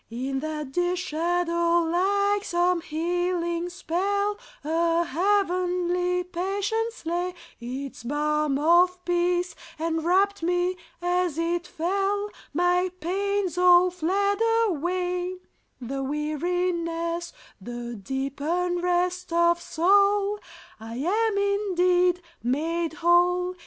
In that dear shadow, like some healing spell, A heavenly patience lay; Its balm of peace enwrapped me as it fell; My pains all fled away, The weariness, the deep unrest of soul; I am indeed "made whole."